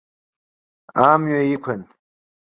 Амҩа иқәын.